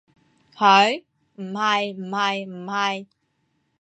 佢？唔係唔係唔係